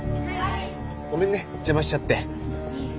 ごめんね邪魔しちゃって。